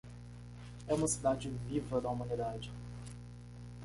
É uma cidade viva da humanidade